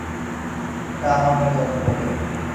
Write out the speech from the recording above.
এটা আমান এর জন্মপত্র।